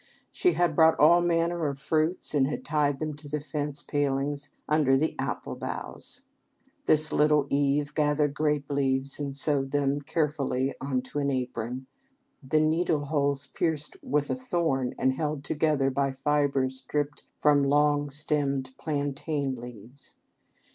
She had brought all manner of fruits and had tied them to the fence palings under the apple boughs. This little Eve gathered grape leaves and sewed them carefully into an apron, the needle holes pierced with a thorn and held together by fiber stripped from long stemmed plantain leaves.